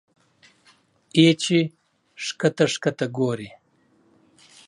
اې چې ښکته ښکته ګورې